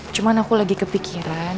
cuman aku lagi kepikiran